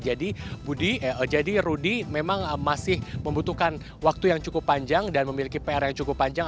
jadi rudy memang masih membutuhkan waktu yang cukup panjang dan memiliki pr yang cukup panjang